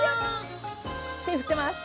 手振ってます。